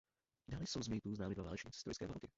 Dále jsou z mýtů známi dva válečníci z Trojské války.